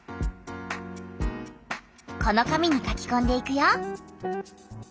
この紙に書きこんでいくよ。